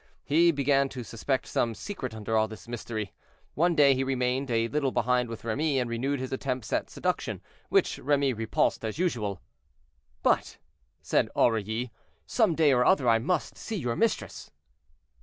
He began to suspect some secret under all this mystery. One day he remained a little behind with Remy, and renewed his attempts at seduction, which Remy repulsed as usual. "But," said Aurilly, "some day or other I must see your mistress."